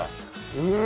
うん！